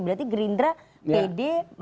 berarti gerindra pede melihat